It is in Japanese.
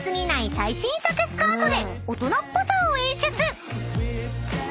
最新作スカートで大人っぽさを演出］